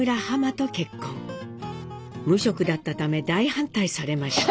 無職だったため大反対されました。